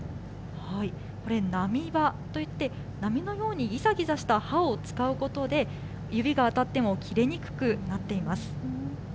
これ、波刃といって、波のようにぎざぎざした刃を使うことで、指が当たっても切れにくくなっています。